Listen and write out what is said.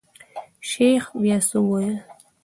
شيخ بيا څه وويل.